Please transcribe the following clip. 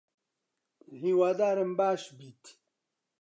هیوادارم باش بیت